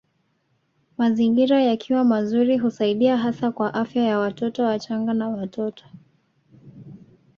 Mazingira yakiwa mazuri husaidia hasa kwa afya ya watoto wachanga na watoto